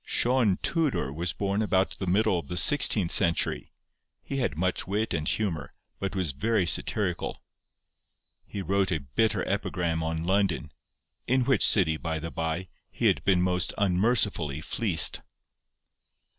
Sion Tudor was born about the middle of the sixteenth century. He had much wit and humour, but was very satirical. He wrote a bitter epigram on London, in which city, by the bye, he had been most unmercifully fleeced.